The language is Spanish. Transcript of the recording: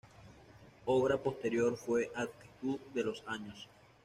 Obra posterior fue "Actitud de los años".